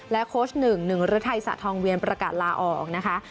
และโคชนึงหนึ่งเรือไทยสะทองเวียนประกาศลาออกนะคะ